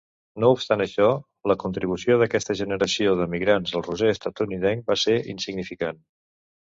No obstant això, la contribució d'aquesta generació d'emigrants al roser estatunidenc va ser insignificant.